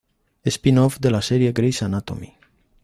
Spin-off de la serie Grey's anatomy.